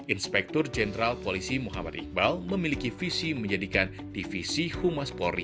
inspektur jenderal polisi muhammad iqbal memiliki visi menjadikan divisi humas polri